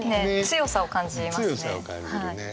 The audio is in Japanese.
強さを感じるね。